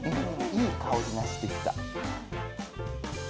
いい香りがしてきた。